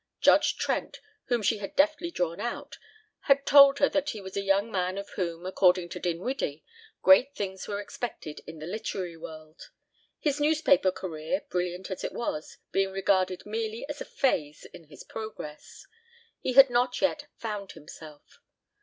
Judge Trent, whom she had deftly drawn out, had told her that he was a young man of whom, according to Dinwiddie, great things were expected in the literary world; his newspaper career, brilliant as it was, being regarded merely as a phase in his progress; he had not yet "found himself."